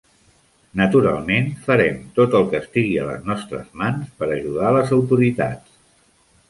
Naturalment, farem tot el que estigui a les nostres mans per ajudar les autoritats.